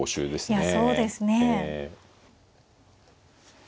いやそうですね。